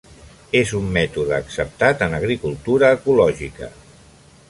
És un mètode acceptat en agricultura ecològica.